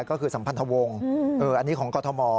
ก็คือสัมพันธวงศ์อันนี้ของกรทม